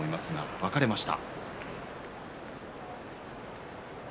分かれました。